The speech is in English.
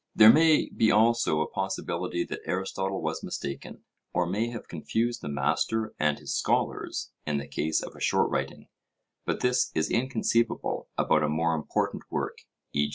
There may be also a possibility that Aristotle was mistaken, or may have confused the master and his scholars in the case of a short writing; but this is inconceivable about a more important work, e.